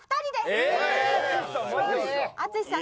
淳さん